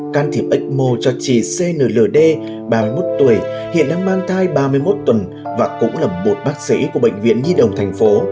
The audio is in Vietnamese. can thiệp ếch mô cho chị cnld ba mươi một tuổi hiện đang mang thai ba mươi một tuần và cũng là một bác sĩ của bệnh viện nhi đồng tp